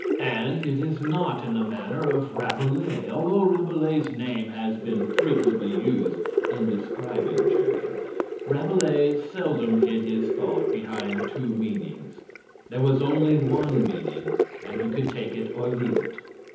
And it is not in the manner of Rabelais, although Rabelais's name has been frequently used in describing "Jurgen." Rabelais seldom hid his thought behind two meanings. There was only one meaning, and you could take it or leave it.